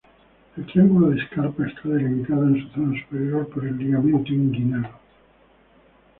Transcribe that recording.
El triangulo de Scarpa está delimitado en su zona superior por el ligamento inguinal.